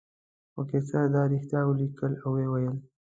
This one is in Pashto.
خو قیصر دا رښتیا ولیکل او وویل.